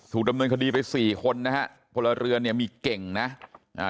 ดำเนินคดีไปสี่คนนะฮะพลเรือนเนี่ยมีเก่งนะอ่า